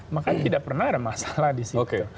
maka tidak pernah ada masalah disitu